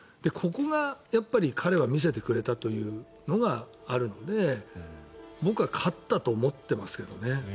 ここが彼は見せてくれたというのがあるので僕は勝ったと思ってますけどね。